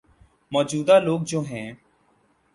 موجود ہ لوگ جو ہیں۔